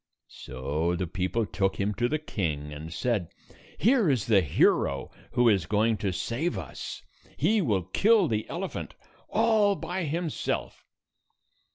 So the people took him to the king, and said, " Here is the hero who is going to save us. He will kill the elephant all by himself."